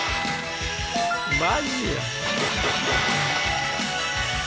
マジやん。